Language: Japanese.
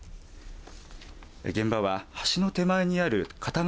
現場は橋の手前にある片側